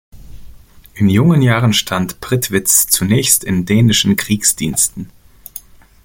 In jungen Jahren stand Prittwitz zunächst in dänischen Kriegsdiensten.